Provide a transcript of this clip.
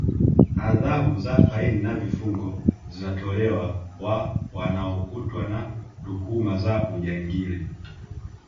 adhabu za faini na vifungo zinatolewa wa wanaokutwa na tuhuma za ujangili